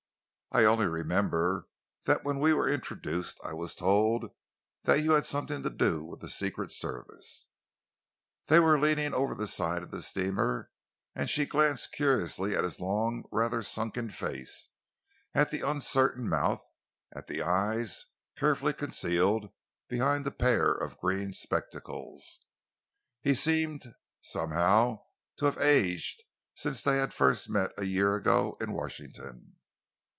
I only remember that when we were introduced I was told that you had something to do with the Secret Service." They were leaning over the side of the steamer, and she glanced curiously at his long, rather sunken face, at the uncertain mouth, and at the eyes, carefully concealed behind a pair of green spectacles. He seemed, somehow, to have aged since they had first met, a year ago, in Washington.